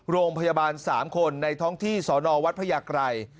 โรงพยาบาล๓คนในท้องที่สนวัดพญาไกร